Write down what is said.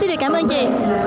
vâng xin cảm ơn chị